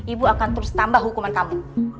ibu akan terus tambah hukuman kamu